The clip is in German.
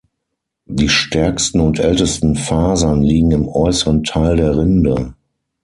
Die stärksten und ältesten Fasern liegen im äußeren Teil der Rinde.